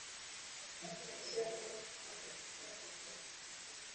watu waishio pwani ya kenya wamepewa angalizo juu ya